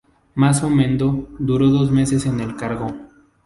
Mazo Mendo duró dos meses en el cargo.